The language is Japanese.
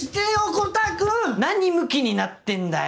コタくん。何むきになってんだよ？